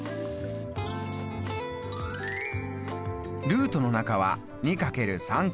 ルートの中は２×３×３。